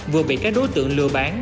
vừa bị các đối tượng lừa bán